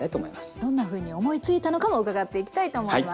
どんなふうに思いついたのかも伺っていきたいと思います。